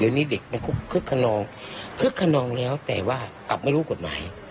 เดี๋ยวนี้เด็กมันคึกคึกขนองคึกขนองแล้วแต่ว่ากลับไม่รู้กฎหมาย